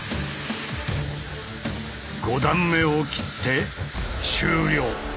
５段目を切って終了。